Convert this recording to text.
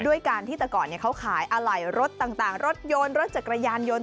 ด้วยการที่แต่ก่อนเขาขายอะไหล่รถต่างรถยนต์รถจักรยานยนต์